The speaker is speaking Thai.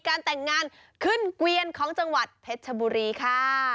การแต่งงานขึ้นเกวียนของจังหวัดเพชรชบุรีค่ะ